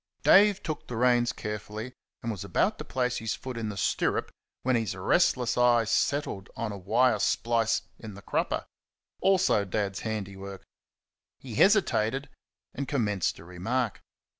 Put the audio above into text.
Dave took the reins carefully, and was about to place his foot in the stirrup when his restless eye settled on a wire splice in the crupper also Dad's handiwork. He hesitated and commenced a remark.